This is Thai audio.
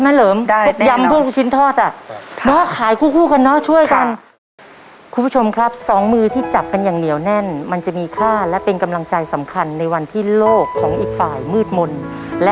มาดูโบนัสหลังตู้หมายเลขสองก่อนนะฮะ